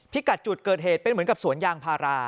กัดจุดเกิดเหตุเป็นเหมือนกับสวนยางพารา